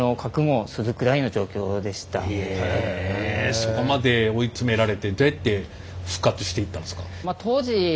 そこまで追い詰められてどうやって復活していったんですか？